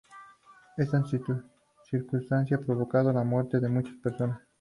Estas circunstancias provocaron la muerte de muchas personas.